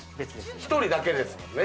１人だけですね？